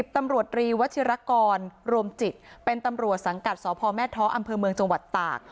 ตำรวจรีวัชิรกรรวมจิตเป็นตำรวจสังกัดสพแม่ท้ออำเภอเมืองจังหวัดตาก